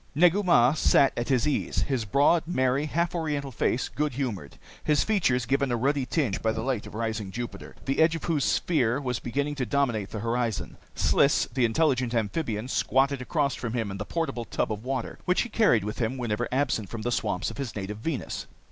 Negu Mah sat at his ease, his broad, merry, half Oriental face good humored, his features given a ruddy tinge by the light of rising Jupiter, the edge of whose sphere was beginning to dominate the horizon. Sliss, the intelligent amphibian, squatted across from him in the portable tub of water which he carried with him whenever absent from the swamps of his native Venus.